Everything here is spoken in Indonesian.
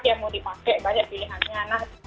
yang mau dipakai banyak pilihannya